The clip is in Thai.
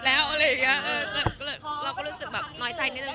แล้วอะไรอย่างเงี้ยอะไรเองก็เริ่มก็หลับก็รู้สึกแบบน้อยใจนิดนึง